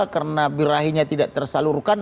karena birahinya tidak tersalurkan